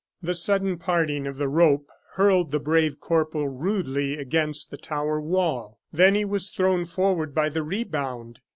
The sudden parting of the rope hurled the brave corporal rudely against the tower wall, then he was thrown forward by the rebound.